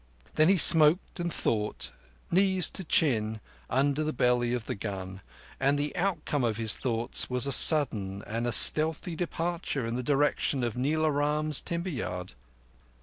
Then he smoked and thought, knees to chin, under the belly of the gun, and the outcome of his thoughts was a sudden and stealthy departure in the direction of Nila Ram's timber yard.